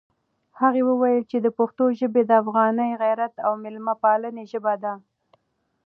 هغه وویل چې پښتو ژبه د افغاني غیرت او مېلمه پالنې ژبه ده.